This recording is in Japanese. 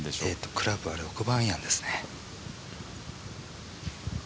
クラブは６番アイアンですね。